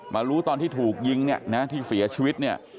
รู้ตอนที่ถูกยิงเนี่ยนะที่เสียชีวิตเนี่ย